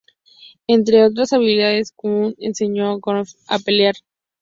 Entre otras habilidades, Canutt enseñó a Wayne a pelear.